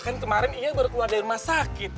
kan kemarin ia baru keluar dari rumah sakit